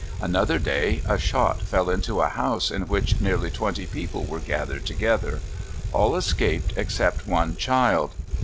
Another day a shot fell into a house in which nearly twenty people were gathered together: all escaped except one child.